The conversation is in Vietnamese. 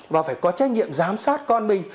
và phải có trách nhiệm giám sát con mình